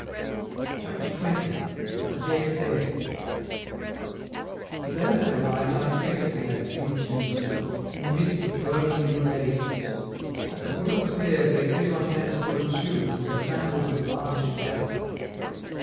CHAPTER XX. A DEAD FAIRY Today I arrived unexpectedly at Diou djen dji, in the midst of burning noonday heat. At the foot of the stairs lay Chrysantheme's wooden shoes and her sandals of varnished leather.